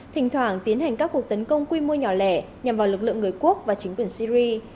thỉnh thoảng tiến hành các cuộc tấn công quy mô nhỏ lẻ nhằm vào lực lượng người quốc và chính quyền syri